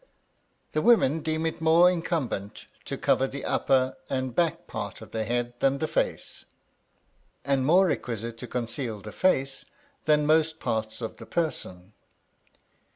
The women deem it more incumbent to cover the upper and back part of the head than the face; and more requisite to conceal the face than most parts of the person.